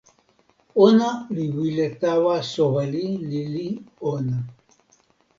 ona li wile tawa soweli lili ona.